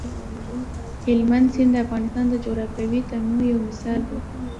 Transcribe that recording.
هلمند سیند د افغانستان د جغرافیوي تنوع یو مثال دی.